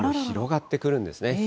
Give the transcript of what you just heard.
広がってくるんですね。